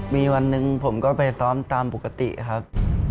มีวันหนึ่งผมก็ไปซ้อมตามปกติครับ